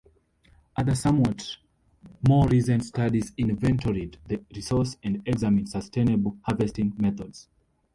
Other, somewhat more recent studies inventoried the resource and examined sustainable harvesting methods.